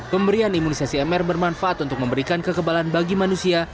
pemberian imunisasi mr bermanfaat untuk memberikan kekebalan bagi manusia